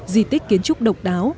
dị tích kiến trúc độc đáo